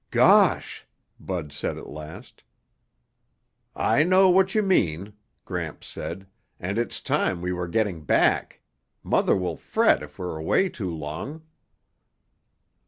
"Gosh," Bud said at last. "I know what you mean," Gramps said, "and it's time we were getting back. Mother will fret if we're away too long."